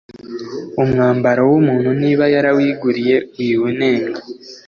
umwambaro wumuntu niba yarawiguriye wiwunenga